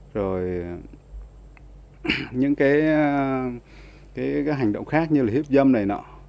rồi những cái hành động khác như là hiếp dâm này nọ